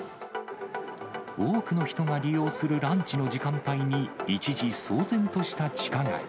多くの人が利用するランチの時間帯に一時、騒然とした地下街。